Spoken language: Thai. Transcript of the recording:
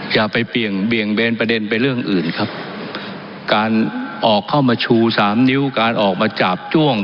อย่าไปเปลี่ยนเบี่ยงเบนประเด็นไปเรื่องอื่นครับการออกเข้ามาชูสามนิ้วการออกมาจาบจ้วง